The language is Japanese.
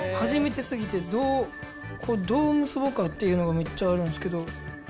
初めてすぎてどうどう結ぼうかっていうのがめっちゃあるんですけど。